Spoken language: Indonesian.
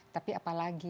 tapi apalagi ya